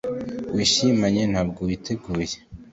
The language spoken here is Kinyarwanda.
Wishimane Ntabwo witeguye